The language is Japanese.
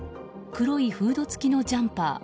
黒いフード付きのジャンパー